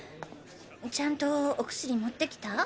ちゃんとお薬もってきた？